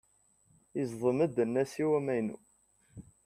Yezdem-d anasiw amaynu.